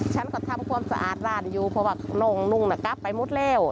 ฉันก็ทำความสะอาดบ้านอยู่เพราะว่าน้องนุ่งน่ะกลับไปหมดแล้ว